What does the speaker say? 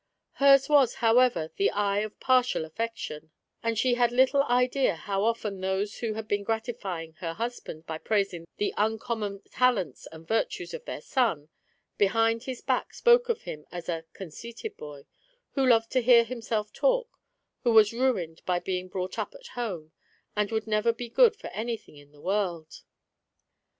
Hers was, however, the eye of partial affection, and she had little idea how often those who had been gratifying her husband by praising the uncommon talents and virtues of their son, behind his back spoke of him as "a conceited boy, who loved to hear himself talk, who was ruined by being brought up at home, and would never be good for anjiihing in the world."